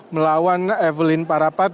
melawan evelyn parapat